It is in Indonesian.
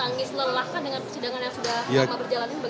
tangis lelah kan dengan persidangan yang sudah berjalanin